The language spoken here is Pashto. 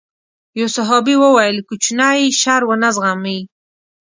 يو صحابي وويل کوچنی شر ونه زغمي.